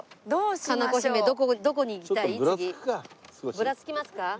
ぶらつきますか？